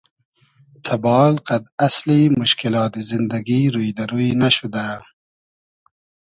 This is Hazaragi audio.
تئبال قئد اسلی موشکیلات زیندگی روی دۂ روی نئشودۂ